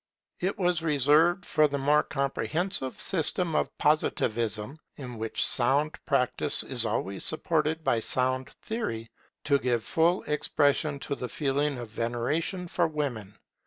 It was reserved for the more comprehensive system of Positivism, in which sound practice is always supported by sound theory, to give full expression to the feeling of veneration for women.